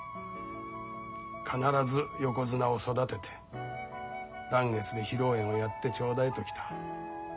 「必ず横綱を育てて嵐月で披露宴をやってちょうだい」ときた。